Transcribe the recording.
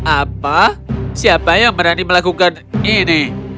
apa siapa yang berani melakukan ini